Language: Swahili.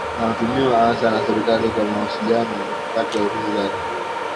inayotumiwa hasa na serikali kwa mawasiliano kati ya ofisi zake